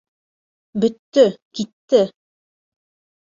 Бөттө, китте!